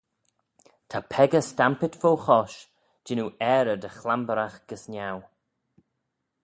Ta peccah stampit fo chosh jannoo aarey dy chlamberagh gys niau.